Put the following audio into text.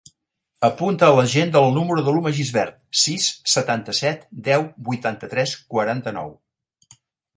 Apunta a l'agenda el número de l'Uma Gisbert: sis, setanta-set, deu, vuitanta-tres, quaranta-nou.